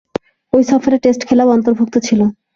ঐ সফরে টেস্ট খেলাও অন্তর্ভুক্ত ছিল।